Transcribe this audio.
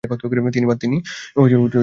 তিনি পান।